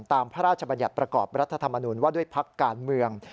พระราชบัญญัติประกอบรัฐธรรมนุนว่าด้วยพักการเมือง